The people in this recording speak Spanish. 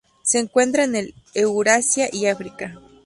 Se encuentra en el Eurasia y África.